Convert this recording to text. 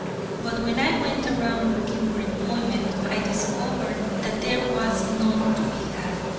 But when I went around looking for employment, I discovered that there was none to be had.